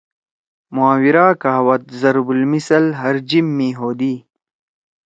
محاورہ، کہاوت، ضرب المثل ہر جیِب می ہودی۔